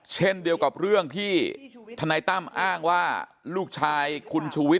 เช่นเดียวกับเรื่องที่ธนายตั้มอ้างว่าลูกชายคุณชูวิทย